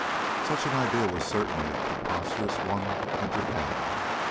Such an idea was certainly a preposterous one to entertain.